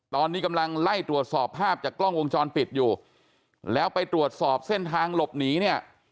ตอนนี้กำลังไล่ตรวจสอบภาพจากกล้องวงจรปิดอยู่แล้วไปตรวจสอบเส้นทางหลบหนีเนี่ย